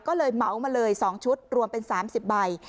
ก็เลยเหมามาเลย๒ชุดรวมเป็น๓๐ใบ